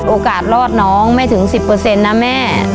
โอกาสรอดน้องไม่ถึงสิบเปอร์เซ็นต์นะแม่